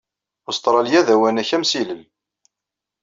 Ustṛalya d awanak-amsillel.